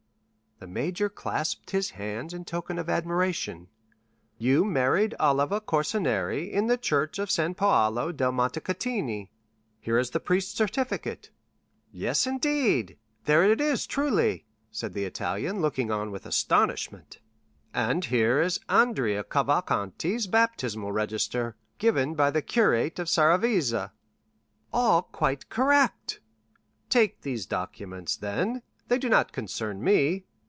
The major clasped his hands in token of admiration. "You married Oliva Corsinari in the church of San Paolo del Monte Cattini; here is the priest's certificate." "Yes indeed, there it is truly," said the Italian, looking on with astonishment. "And here is Andrea Cavalcanti's baptismal register, given by the curé of Saravezza." "All quite correct." "Take these documents, then; they do not concern me.